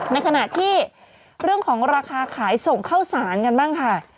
ในขณะที่เรื่องของราคาขายส่งข้าวสารกันบ้างค่ะ